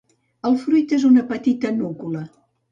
El fruit és una petita núcula.